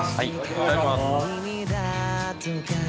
いただきます。